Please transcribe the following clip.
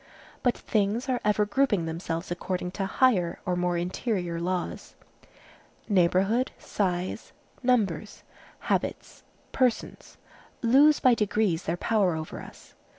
But things are ever grouping themselves according to higher or more interior laws. Neighborhood, size, numbers, habits, persons, lose by degrees their power over us.